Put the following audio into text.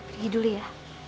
pergi dulu ya